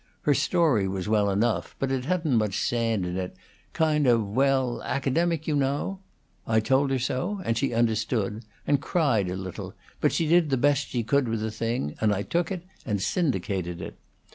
Her story was well enough, but it hadn't much sand in it; kind of well, academic, you know. I told her so, and she understood, and cried a little; but she did the best she could with the thing, and I took it and syndicated it.